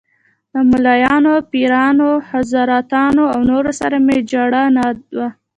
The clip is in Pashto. له ملايانو، پیرانو، حضرتانو او نورو سره مې جوړه نه وه.